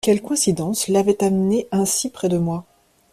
Quelle coïncidence l’avait amenée ainsi près de moi?